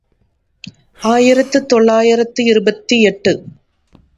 ஆயிரத்துத் தொளாயிரத்து இருபத்து எட்டு.